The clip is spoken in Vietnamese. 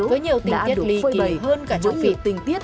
với nhiều tình tiết lì kì hơn cả trong việc tình tiết